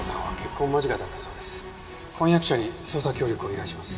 婚約者に捜査協力を依頼します。